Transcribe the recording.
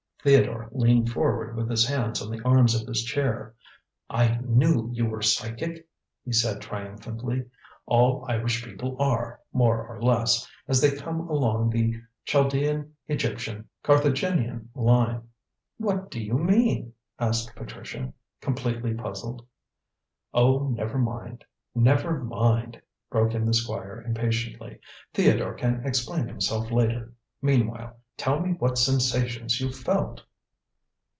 Theodore leaned forward with his hands on the arms of his chair. "I knew you were psychic," he said triumphantly. "All Irish people are, more or less, as they come along the Chaldean Egyptian Carthagenian line." "What do you mean?" asked Patricia, completely puzzled. "Oh, never mind; never mind," broke in the Squire impatiently. "Theodore can explain himself later. Meanwhile tell me what sensations you felt?"